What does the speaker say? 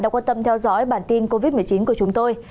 đã quan tâm theo dõi bản tin covid một mươi chín của chúng tôi